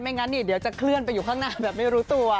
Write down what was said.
งั้นเดี๋ยวจะเคลื่อนไปอยู่ข้างหน้าแบบไม่รู้ตัว